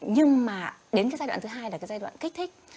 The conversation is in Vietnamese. nhưng mà đến cái giai đoạn thứ hai là cái giai đoạn kích thích